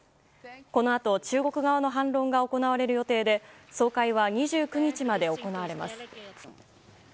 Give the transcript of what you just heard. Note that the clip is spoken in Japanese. このあと中国側の反論が行われる予定で総会は２９日まで行われます。